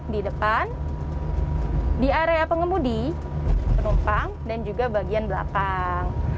di depan di area pengemudi penumpang dan juga bagian belakang